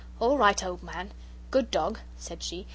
"All right, old man. Good dog," said she.